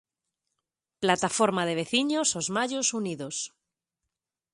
Plataforma de veciños Os Mallos Unidos.